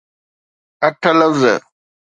اٺ لفظ.